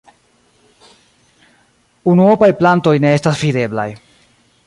Unuopaj plantoj ne estas videblaj.